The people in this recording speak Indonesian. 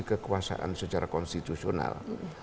kekuasaan secara konstitusional